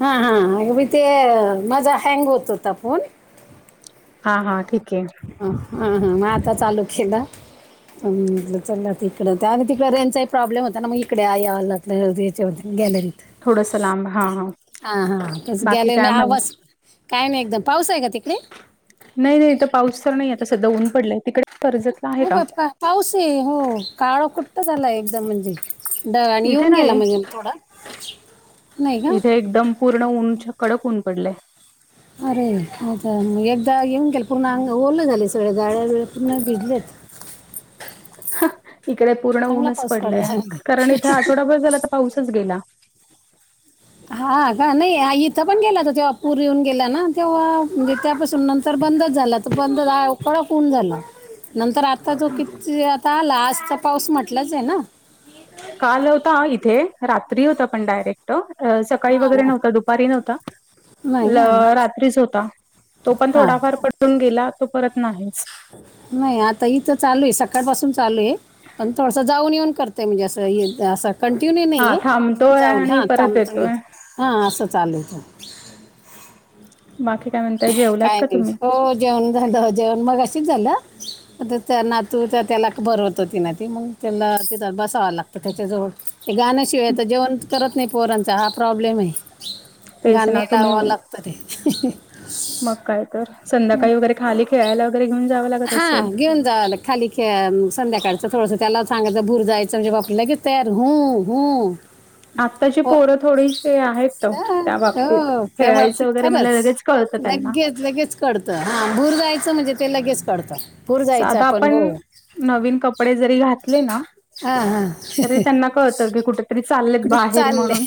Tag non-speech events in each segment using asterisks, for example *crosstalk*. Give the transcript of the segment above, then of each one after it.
हां हां अगदी ते माझा हँग होत होता फोन हा, हा ठीक आहे. हा, हा म आता चालु केल. हम्म चलला तिकडं तर आणि तिकडं रेंजचा ही प्रॉब्लेम होता ना मग इकडे याव लागलं. याच्या वरती गॅलरी थोडंसं लांब हां, हां. हा, हा बाकी गॅलरीत काय म्हणता? आवाज काय नाही एकदम पाऊस आहे का तिकडे? नाही, नाही इथ पाऊस तर नाही आता सध्या ऊन पडलाय. तिकडे? कर्जतला आहे हो का? बाप्पा पाऊस आहे हो काळ कुट्ट झालाय एकदम म्हणजे. *unintelligible* इथे येऊन गेला नाही. म्हणजे थोडा नाही ग. इथे एकदम पूर्ण उऊंच कडक ऊन पडलेय. अरे आता मग एकदा येऊन गेलं पूर्ण अंग ओलं झाले सगळ्या गाळ्या बळ्या पूर्ण भिजलेत. इकडे पूर्ण चांगला ऊनच पाऊस पडलंय पडला कारण इथे आठवडाभर झाल आता पाऊसच गेला. हा का नाही इथं पण गेला त तेव्हा पूर येऊन गेला ना तेव्हा म्हणजे त्या पासून नंतर बंदच झाला तो बंद आ कडक ऊन झाल. नंतर आता तो कितीती आता आला आजचा पाऊस म्हटलाच आहेना? काल होता इथे रात्री होता पण डायरेक्ट. सकाळी वगैरे हा नव्हता, दुपारी नव्हता, नाही का आज रात्रीच होता तो पण हा थोडाफार का? पडुन गेला तो परत नाहीच. नाही आता इथ चालू आहे सकाळ पाासून चालू आहे. पण थोडसं जाऊन, येऊन करते मी अस कंटिन्यू नाही हां, आहे थांबतोय जाऊन, आणि परत जाऊन येऊ येतोय. असं चालत. बाकी काय म्हणताय जेवलात काय का नाय तुम्ही? हो जेवण झाल, जेवण मगाशीच झालं. आता त्या नातुला त्याला भरवत होतीन ती मग त्याला बसता तो आला जवळ गाण्याशिवाय तर जेवण करत नाही पोरांचा हा प्रॉब्लेम आहे. तेच गाणे ना लावा तुम्ही लागतात हे. मग काय तर संध्याकाळी वगैरे खाली खेळायला वगैरे घेऊन जाव लागत असेल? हां घेऊन जावारे खाली खेळायला संध्याकाळच थोडस त्याला सांगायचं भूर जायच म्हणजे लगेच तयार हम्म, हम्म. आत्ताची पोरं थोडीशी आहेत त हां, त्या बाबतीत हो त्या खेळायचं बाबतीत वगैरे *inaudible* खरंच लगेच. कळतं त्यांना लगेच लगेच कळतं हा भूर जायचं म्हणजे ते लगेच कळतं. भूर जायचं साध आपण हो नवीन कपडे जरी घातले ना हा हा तरी इकडे त्यांना *inaudible* कुठ तरी चाललेत बाहेर चालले म्हणून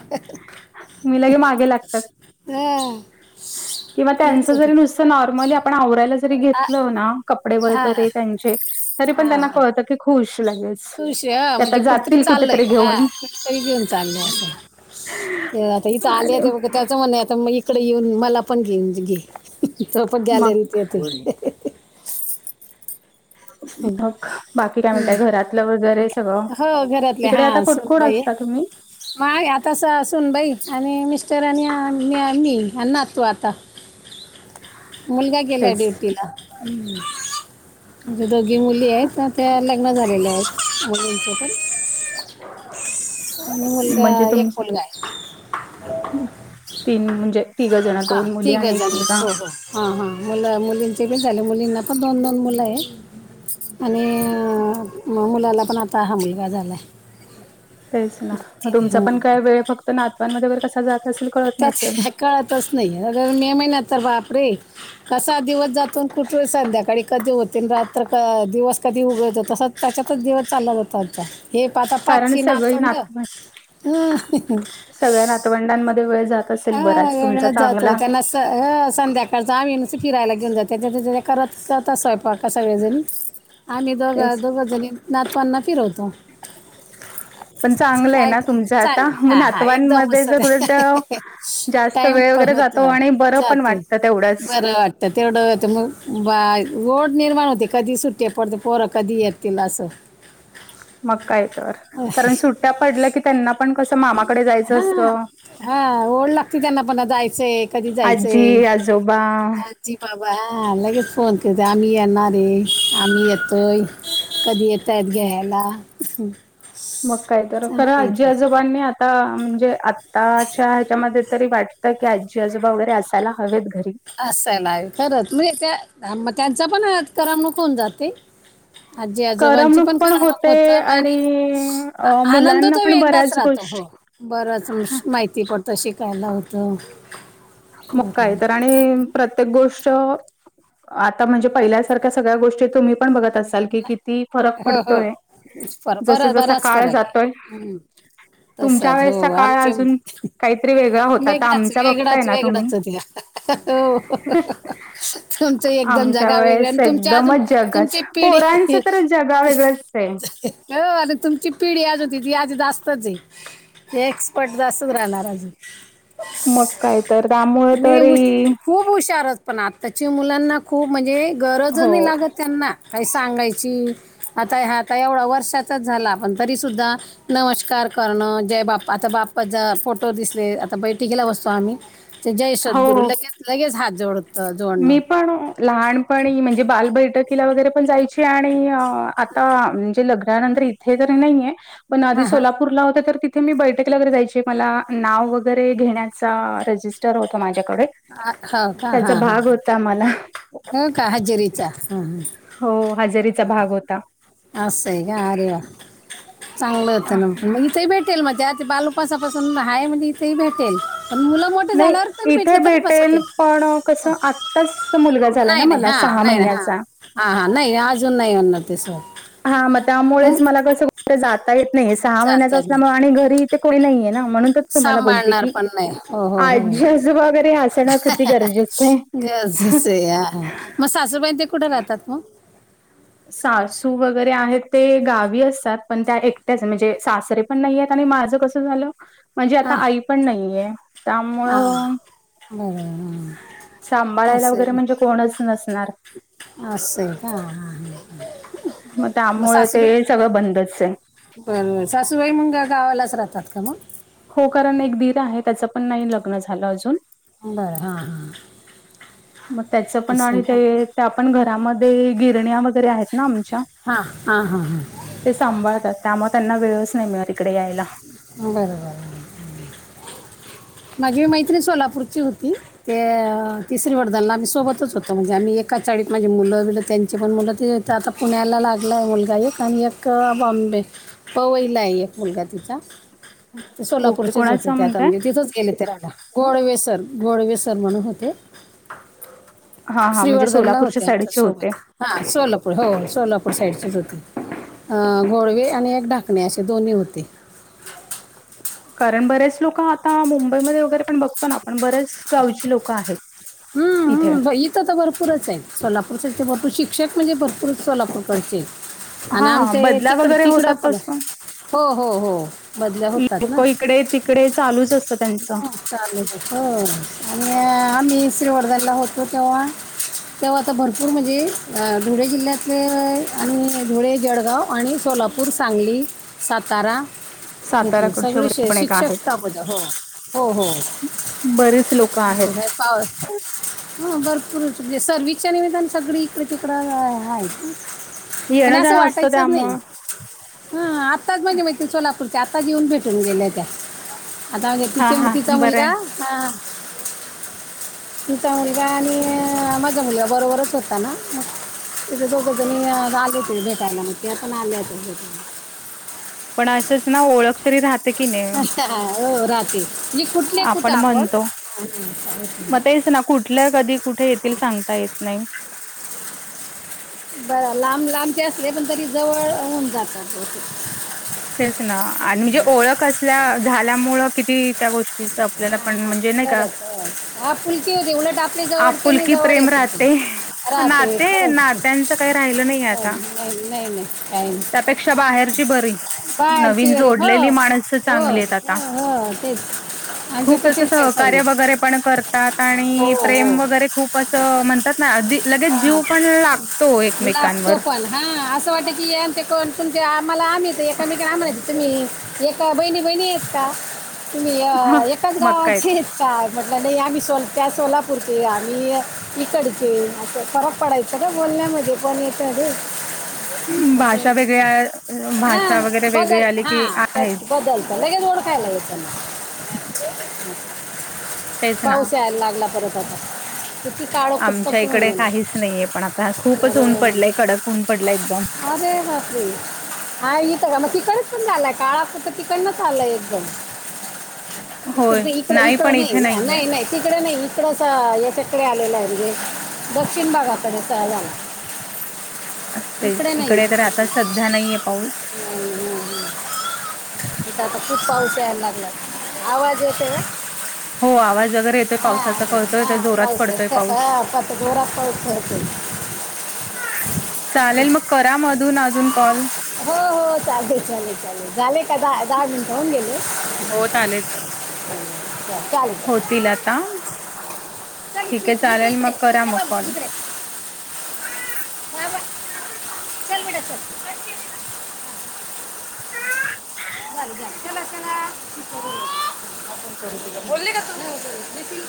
*inaudible* हा नॉर्मली आपण आवरायला जरी *inaudible* कपडे हा वगैरे त्यांचे तरी पण त्यांना हा कळत की खुश लगेच खुश आहे की आता म्हणजे कुठतरी जातील चाललय कुठेतरी हा घेऊन कुठतरी घेऊन चाललय अस. आता इथ आले आणि *unintelligible* आता मग *unintelligible* येऊन मला पण घेऊ घे त पण मग गॅलरीत येते. मग बाकी काय म्हणतय घरातलं वगैरे हो घरातले आता हा कठकोड सुनबाई असता आहे. तुम्ही? *unintelligible* मुलगा केला तेच ड्युटीला. *inaudible* दोघी मुली आहेत त्या लग्न झालेल्या आहेत. मुलगा म्हणजे तुम एक मुलगा आहे. तीन म्हणजे तिघं जण दोन मुली आणि एक मुलगा हा हां मुलं मुलींचे बी झाले मुलींना पण दोन दोन मुलं आहे. आणि म मुलाला पण आता हा मुलगा झालाय. तेच ना मग तुमचा पण काय वेळ फक्त नातवांमध्येर कसा जात असेल कळत नसेल. तच नाही अगर मे महिन्यात तर वापरे कसा दिवस जात कुठे संध्याकाळी कधी होतील रात्र दिवस कधी उघडत तसं त्याच्यातच दिवस चालला जातं आता हे पाता कारण पाचची सगळी नाथंड नातवं ह. सगळ्या नातवंडांमध्ये वेळ जात असेल बराच तुमचा चांगला संध्याकाळचा आम्ही फिरायला घेऊन जात त्याच्या करत जात स्वयंपा क स वळेजण आम्ही दोघा तेच दोघ जणी नातपांना फिरवतो. पण चांगलं आहे काय ना का तुमचं आता चांगलं मग हा हा नातवांमध्ये एकदमस्तत जर उलट आहे. जास्त टाइम वेळ *inaudible* वगैरे जातो आणि बरं पण जातय वाटतं तेवढंच बरं वाटत. तेवढंग बा रोड निर्माण होते कधी सुट्टे पडते पोरं कधी येतील असं. मकायऐतवर कारण सुट्ट्या पडल्या की त्यांना पण कसं मामाकडे जायचं असतं. हा ओढ लागते त्यांना पण जायचंय कधी जायचंय. आजी आजोबा ी बाबालागेच फोन करते आम्ही येणार रे आम्ही येतोय. कधी येतय घ्यायला. मग कायत चांगलं आहे खरंजी ते. आजोबांनी आता म्हणजे आत्ताच्या ह्याच्यामध्ये तरी वाट. की आजी आजोबा वैरे असायला हवेत घरी असंल आहे खरं म त्या त्यांचा पण करामणकऊन जाते. आजी आजोबांची पण कमक होत आणि अ आनंद मुलांना तरो पण वेगळाच बऱ्याच राहतो हो. गोष्टी बरच माहिती पडत शिकायला होतं. मुक्का य बरं. तर आणि प्रत्येक गोष्ट आता म्हणजे पहिल्यासारख्या सगळ्या गोष्टी तुम्ही पण बघत असा. कि फरक हो पडतोय हो फर जस बरा जसा बराच काळ फरक आहे जातोय. हम्म. तुमच्या तसाच वेळेचा हो काळ आमचे अजून काहीतरी वेगळा होताता वेगळाच आमचा बघत. त वेगळाच आ. वेगळाच होत्या हो तुमचं एकदम जगाव वेगळं आणि तुमची अजून जगच तुमची पिढी पोरांचं तर जगा वेगळंच आहे. अ आणि तुमची पिढी आज होती ती आज जास्तच आहे एक्सपर्ट जा असत राहणार अजून मग काही तर त्यामुळेळ आणि तर हुश- खूप हुशारच पण आत्ताची मुलांना खूप म्हणजे गरज हो नाही लागत त्यांना काही सांगायची आता ह आता एवढा वर्षाचाच झाला पण तरी सुद्धा नमस्कार करणं जय बाप् आता बाप्पाचा फोटो दिसले आता बैठ घेला बसतो आम्ही ते जय हो सद्गुरु हो लगेच लगेच हात जोडतं जोडणं मी पण लहानपणी म्हणजे बाल बैठकीला वगैरे पण जायचे आणि आता म्हणजे लग्नानंतर इथे तरी नाहीये पण आधी हां हां सोलापूरला होत तर थ मी बैठकला वगैरे जायची मला नाव वगैरे घेण्याचा रजिस्ट हो माझ्याकडे हा हो का त्याचा हां हां भाग होता मला हो का हजेरीचा ह ह हो हजेरीचा भाग होता अस आहे कार वा चांगलं येत अ, ना मग इथेही भेटेल माझ्या आ बालोकपासापासून आहे म्हणजे इथेही भेटेल मुलं मोठं झाल्यावर तरी भेटलं तरी वाटेल बसतील पण कसं आत्ताच मुलगा झालाय ना मला सहा महिन्याचा हा हा नाही अजून नाही अणार तेस हा मग त्यामुळेच मला कसं तर जाता येत नाही सहा महिन्याच चालतंय ना असल्यामुळे आणि घरी इथे कोणी नाहीये ना म्हणून तरच तुम्हाला बोलते सांभाळणार की पण नाही हो हो हो आजी आजू वगैरे असणं कती गरजेचं आहे गरजेचं हां हां मग सासूबाईं ते कुठं राहतात मग सासू वगैरे आहेत ते गावी असतात पण त्या एकट्याच म्हणजे सासरे पण नाही आणि माझं कसं झालं म्हणजे आता हां आई पण नाहीये त्यामुळं बरं सांभाळायला वगैरे म्हणजे कोणच नसणार असं का हा हा मग त्यामुळे ते सगळं बंदच आहे बरंबर सासूबाई मुंग गावालाच राहतात का मग हो कारण एक दिर आहे त्याचं पण नाही लग्न झालं अजून बरं हा हा मग त्याच पण आणि ते त्या पण घरामध्ये गिरण्या वगैरे आहेत ना आमच्या हा हा हा हा ते सांभाळतात त्यामुळे त्यांना वेळच नाही मिळत इकडे यायला बरोबर माझी मैत्रीणं सोलापूरची होती ते तिसरी वडदाला आम्ही सोबतच होतो म्हणजे आम्ही एका चाळीत माझे मुलं मुलं आता पुण्याला लाग ला मुलगा एक आणि एक बॉम्बे पवईला आहे एक मुलगा तिचा ते ओके सोलापूरचेच होते कोणाचं त्या आता म्हणताय? म्हणजे तिथच गेले ते राहायला गोडवेसर गोडवेसर म्हणून होते हा हा म्हणजे श्रीवर्धनला सोलापूरच्या होते आमच्या साईडचे होते. सोबत हा सोलापूर हो सोलापूर साईडचेच होते अ घोडवे आणि एक ढाकणे असे दोन्ही होते कारण बरेच लोक आता मुंबईमध्ये वगैरे पण बघतो ना पण बरेच गावची लोकं आहेत हम्म इथे हम्म बई तर भरपूरच आहेत सोलापूर ते भरपूर शिक्षक म्हणजे भरपूरच सोलापूरकडचे आणि हा आमच बदल्या तिकडं वगैरे तिकडं होतात पण तसं हो हो हो बदल्या होतात ना लोक इकडे तिकडे चालूच असतं त्यांचं चालू आणि मी श्रीवर्धनला होतो तेव्हा ते्हा आता भरपूर म्हणजे धुळे जिल्ह्यातले आणि धुळे जळगाव आणि सोलापूर नागपूर सांगली सातारा साताराकडचे सगळे वगैरे पण एक शिक्षक आहेत. स्टाफ हो हो हो बरीेच लोक आहेत *unintelligible* हा भरपूरच म्हणजे सर्विसच्या निमित्तानं सगळी इकडं तिकडं हा हाय. पण येणं असं जाणं असतं वाटायचंच नाही. त्यामुळं हा, आताच म्हणजे मैत्रीण सोलापूरच्या आताच येऊन भेटून गेल्या त्या आता हा घेती हा मोठीचा बरं मुलगा आहे. हा..... तिचा मुलगा आणि आ माझा मुलगा बरोबरच होता ना. दोघजनी आले होते भेटायला त्या पण आल्या होत्या भेटायला.... पण असंच ना ओळख तरी राहत की नाही.... अच्छा हो राहाते म्हणजे कुठले कुठे आपण..... मग तेच ना कुठल्या कधी कुठे येतील सांगता येत नाही. बर लांब लांबचे असले पण तरी जवळ होऊन जातात... तेच ना आणि म्हणजे ओळख असल्या झाल्यामुळ किती? त्या गोष्टीच आपल्याला पण म्हणजे नाही का खरंच होय. हा पुलकी होती उलट आपली आप.... जवळची नाही फुलकी जवळ प्रेम येत होती राहते. राहते नाते खरंच नात्यांचं काही राहिलं नाही हो, आता नाही नाही नाही काही नाही त्यापेक्षा..... पेक्षा बाहेरची बरी..... नवीन बाहेरची घरी हो जोडलेली माणस हो चांगली आहेत आता..... हो हो तेच आमचे खूप असं तसेच आहे सहकार्य सगळे वगैरे..... पण करतात हो आणि हो प्रेम वगैरे खूप असं म्हणतात अगदी.... लगेच जीव हां पण लागतो लागतो एकमेकांवर.... पण हा असं वाटतं की आमचे ते कोण तुमच्या आम्हाला आम्हीच एकामेक आम्हाला तुम्ही.... एका बहिणी बहिणी आहेत का तुम्ही ह अ एकाच मग काय गावाची..... तर काय म्हटलं नाही आम्ही सो त्या सोलापूरचे आम्ही इकडचे..... अ फरक पडायचं ना बोलण्या मध्ये पण इथ र.... भाषा वेगळ्या हा भाषा वगैरे वेगळी बदल आली हा की त्याच आहेच बदल..... लगेच गोड खायला. तेच ना पाऊस यायला लागला परत आता काळं कुठं.... आमच्या इकडे काहीच नाहीये पण आता खूपच ऊन पडलंय कडक ऊन पडलाय एकदम.... अे बाप्री.... हा इथं का मग तिकडच पण झालाय काळा फक्त तिकडन झालाय एकदम..... होय इक इकड नाही इकड पण इथे नाहीये नाही नाही.... तिकडे नाही इकडच याच्याकडे आलेलं आहेे.... दक्षिण भागाकडे सगळा झाला..... तेच इकडे नाही...... तर आता सध्या नाहीये पाऊस हम हम्म इथ आता खूप पाऊस यायला लागला आवाज येतोय होय..... हो आवाज अगर येतोय पावसाचा कळतोय तर जोरात पाऊस पडतोय आहे पाऊस..... हा पात जोरात पाऊस पडतोय. चालेल मग करा म अधून मधून कॉल.... हो हो चालेल चालेल चालेल झाले का दहा दहा मिनटं होऊन गेले.... होत आलेच.... चालेल चालेल होतील आता ठीक आहे चालेल मग करा मग कॉल.... *unintelligible* आ सल विटा.... नाहील ना बोल का तू.....